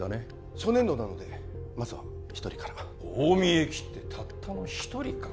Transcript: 初年度なのでまずは一人から大見え切ってたったの一人か？